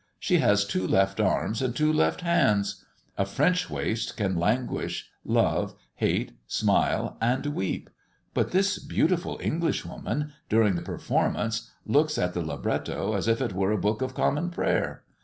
She has two left arms and two left hands. A French waist can languish, love, hate, smile, and weep; but this beautiful English woman, during the performance, looks at the libretto as if it were a book of common prayer.